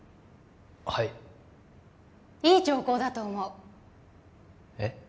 はいいい兆候だと思うえっ？